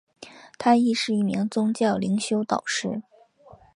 她亦是一名宗教灵修导师。